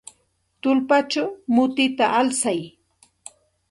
Tullpachaw mutita alsay.